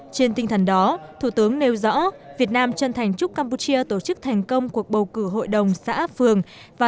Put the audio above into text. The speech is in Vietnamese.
trên tinh thần đó thủ tướng nêu rõ việt nam chân thành chúc campuchia tổ chức thành công cuộc bầu cử hội đồng xã phường